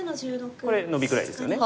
これノビぐらいですよね。